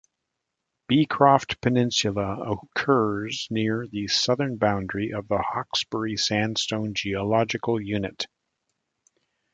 Beecroft Peninsula occurs near the southern boundary of the Hawkesbury Sandstone geological unit.